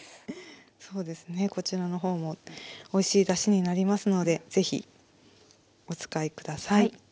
そうですねこちらの方もおいしいだしになりますのでぜひお使い下さい。